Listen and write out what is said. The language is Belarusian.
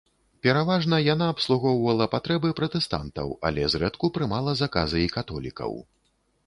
Пераважна яна абслугоўвала патрэбы пратэстантаў, але зрэдку прымала заказы і католікаў.